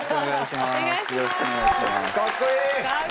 かっこいい！